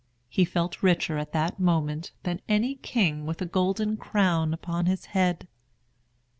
He felt richer at that moment than any king with a golden crown upon his head.